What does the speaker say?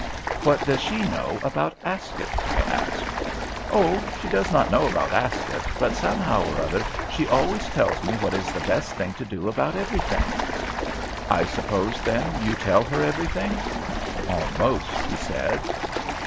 "What does she know about Ascot?" I asked. "Oh, she does not know about Ascot, but somehow or other she always tells me what is the best thing to do about everything." "I suppose, then, you tell her everything?" "Almost," he said.